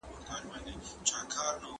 موږ اوس مهال په يوه پروژه کار کوو.